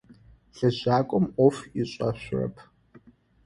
Лэжьакӏом ӏоф ышӏэшъурэп.